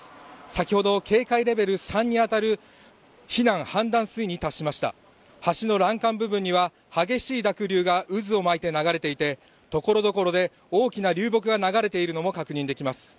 先ほど警戒レベル３に当たる避難判断水位に達しました橋の欄干部分には激しい濁流が渦を巻いて流れていてところどころで大きな流木が流れているのも確認できます